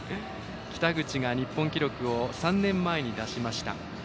北口が日本記録を３年前に出しました。